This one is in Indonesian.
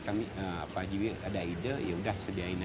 kami ada ide yaudah sediainya